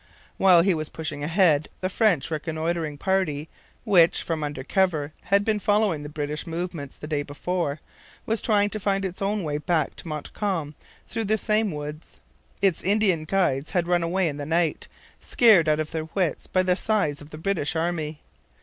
While he was pushing ahead the French reconnoitring party, which, from under cover, had been following the British movements the day before, was trying to find its own way back to Montcalm through the same woods. Its Indian guides had run away in the night, scared out of their wits by the size of the British army.